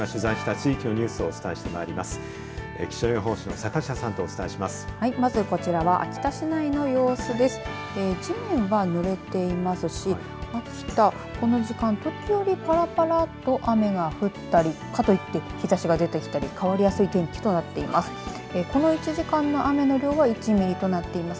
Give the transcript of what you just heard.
地面はぬれていますし秋田、この時間時折、ぱらぱらと雨が降ったりかといって日ざしが出てきたり変わりやすい天気となっています。